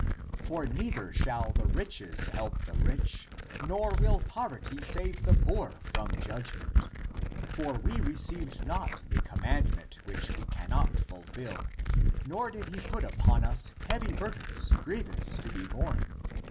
For neither shall the riches help the rich, nor will poverty save the poor from judgment. For we received not a command ment which we cannot fulfill, nor did he put upon us heavy burdens grievous to be borne.